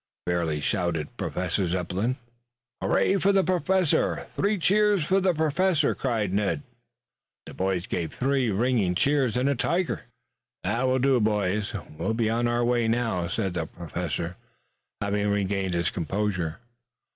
fairly shouted Professor Zepplin. "Hurrah for the Professor! Three cheers for the Professor!" cried Ned. The boys gave three ringing cheers and a tiger. "That will do, boys. We will be on our way now," said the Professor, having regained his composure.